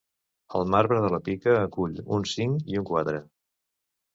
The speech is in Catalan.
El marbre de la pica acull un cinc i un quatre.